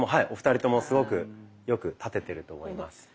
お二人ともすごくよく立ててると思います。